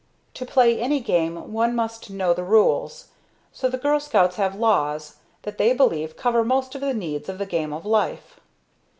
To play any game one must know the rules, so the Girl Scouts have Laws that they believe cover most of the needs of the Game of Life.